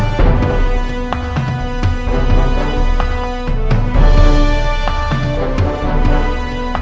สวัสดีครับสวัสดีครับ